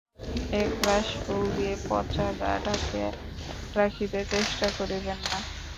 একরাশ ফুল দিয়া পচা ঘা ঢাকিয়া রাখিতে চেষ্টা করিবেন না।